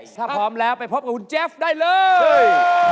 ถ้าพร้อมแล้วไปพบกับคุณเจฟได้เลย